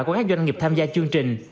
của các doanh nghiệp tham gia chương trình